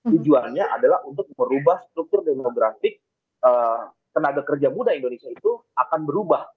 tujuannya adalah untuk merubah struktur demografik tenaga kerja muda indonesia itu akan berubah